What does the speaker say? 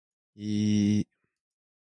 今日は月曜日です。